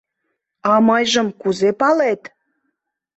— А мыйжым кузе палет?